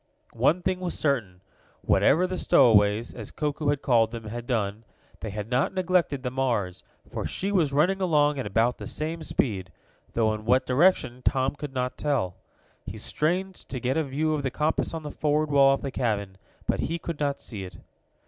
One thing was certain whatever the stowaways, as Koku had called them, had done, they had not neglected the Mars, for she was running along at about the same speed, though in what direction Tom could not tell. He strained to get a view of the compass on the forward wall of the cabin, but he could not see it.